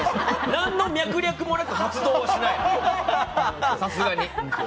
何の脈絡もなく発動はしないです